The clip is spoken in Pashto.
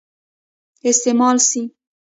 استعمال سي.